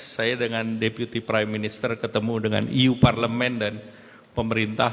saya dengan deputi prime minister ketemu dengan iu parlemen dan pemerintah